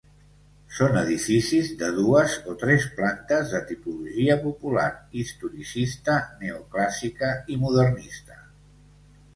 Són edificis de dues o tres plantes de tipologia popular, historicista, neoclàssica i modernista.